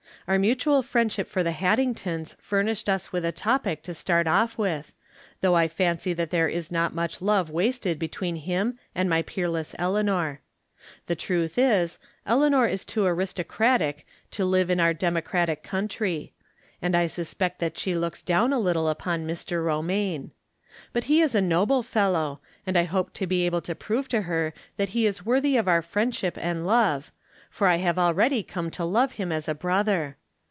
Oui' mutual friendship for the Haddingtons furnished us with a topic to start off with, though I fancy that there is pot much love wasted between him and my peerless Eleanor. The truth is, Eleanor Ls too aristocratic too live in our democratic country ; and I suspect that she looks down a little upon Mr. Romaine. But he is a noble fel low, and I hope to be able to prove to her that 76 ^ From Different Standpoints. , he is worthy of our friendship and love, for I have already come to love him as a brother.